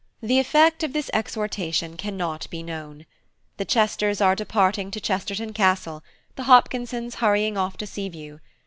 The effect of this exhortation cannot be known. The Chesters are departing to Chesterton Castle, the Hopkinsons hurrying off to Seaview.